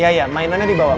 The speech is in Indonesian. iya iya mainannya di bawah